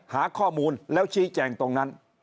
หาข้อมูลแล้วชี้แจงตรงนั้น